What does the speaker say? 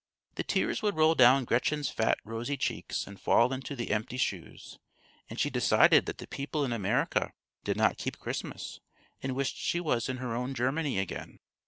The tears would roll down Gretchen's fat, rosy cheeks, and fall into the empty shoes, and she decided that the people in America did not keep Christmas, and wished she was in her own Germany again.